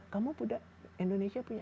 kamu udah indonesia punya